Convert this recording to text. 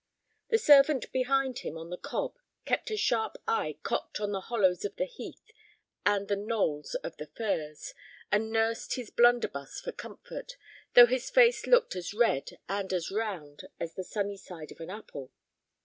The servant behind him on the cob kept a sharp eye cocked on the hollows of the heath and the knolls of furze, and nursed his blunderbuss for comfort, though his face looked as red and as round as the sunny side of an apple.